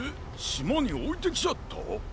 しまにおいてきちゃった？